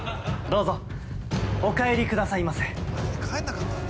◆どうぞ、お帰りくださいませ。